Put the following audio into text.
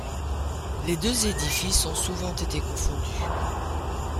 Les deux édifices ont souvent été confondus.